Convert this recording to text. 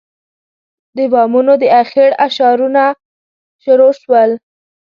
د بامونو د اخېړ اشارونه شروع شول.